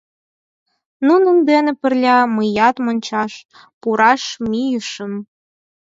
Нунын дене пырля мыят мончаш пураш мийышым.